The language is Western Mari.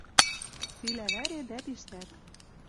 Цилӓ вӓре дӓ тиштӓт